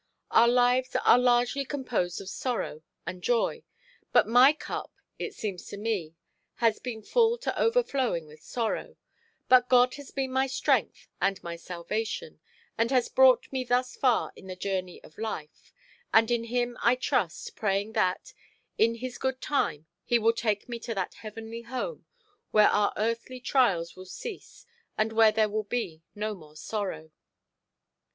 Our lives are largely composed of sorrow and joy, but my cup, it seems to me, has been full to overflowing with sorrow, but God has been my strength and my salvation, and has brought me thus far in the journey of life, and in him I trust, praying that, in his good time he will take me to that heavenly home where our earthly trials will cease and where there will be no more sorrow.